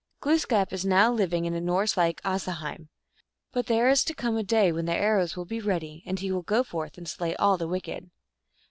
Glooskap is now living in a Norse like Asa heim ; but there is to come a day when the arrows will be ready, and he will go forth and slay all the wicked.